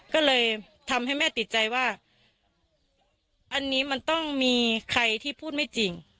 ก็เลยทำให้แม่ติดใจว่าอันนี้มันต้องมีใครที่พูดไม่จริง